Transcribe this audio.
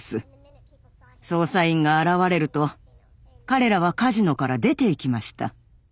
捜査員が現れると彼らはカジノから出ていきました。